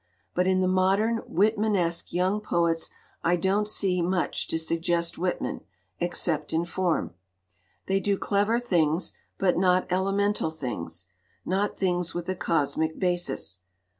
But in the modern Whitmanesque young poets I don't see much to suggest Whitman, except in form. They do clever things, but not elemental things, not things with a cosmic basis.